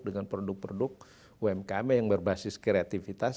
dengan produk produk umkm yang berbasis kreativitas